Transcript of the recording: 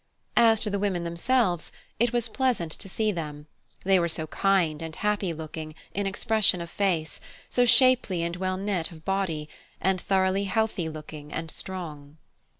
As to the women themselves, it was pleasant indeed to see them, they were so kind and happy looking in expression of face, so shapely and well knit of body, and thoroughly healthy looking and strong.